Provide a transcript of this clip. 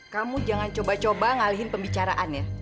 kamu jangan coba coba ngalihin pembicaraan ya